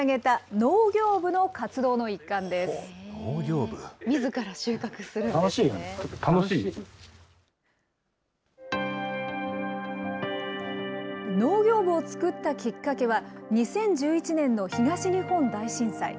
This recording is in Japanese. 農業部を作ったきっかけは、２０１１年の東日本大震災。